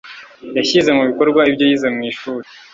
Yashyize mu bikorwa ibyo yize mu ishuri.